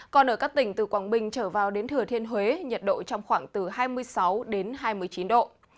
còn ở các tỉnh từ quảng bình trở vào đến thừa thiên huế nhiệt độ trong khoảng từ hai mươi sáu đến hai mươi chín độ